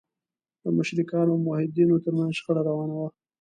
د مشرکانو او موحدینو تر منځ شخړه روانه وه.